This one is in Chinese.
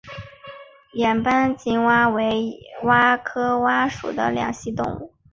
眼斑棘蛙为蛙科蛙属的两栖动物。